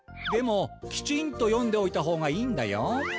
でもきちんと読んでおいた方がいいんだよ。